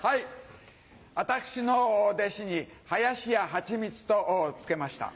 私の弟子に林家ハチミツと付けました。